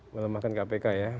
melemahkan kpk ya